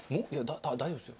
大丈夫ですよ。